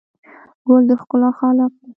ګل د ښکلا خالق دی.